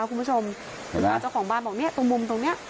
คุณผู้ชมเจ้าของบ้านบอกเนี่ยตรงมุมตรงนี้